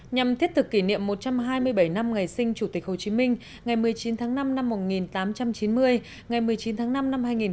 nhằm thiết thực kỷ niệm một trăm hai mươi bảy năm ngày sinh chủ tịch hồ chí minh ngày một mươi chín tháng năm năm một nghìn tám trăm chín mươi ngày một mươi chín tháng năm năm hai nghìn hai mươi